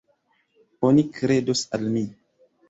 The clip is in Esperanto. Oni kredos al mi.